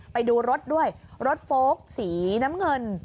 ไปดูรถด้วยรถโฟลกสีน้ำเงิน